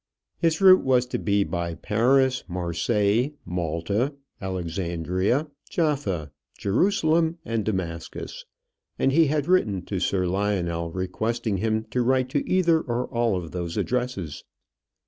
His route was to be by Paris, Marseilles, Malta, Alexandria, Jaffa, Jerusalem, and Damascus, and he had written to Sir Lionel, requesting him to write to either or all of those addresses.